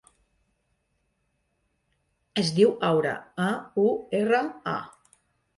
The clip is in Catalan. Es diu Aura: a, u, erra, a.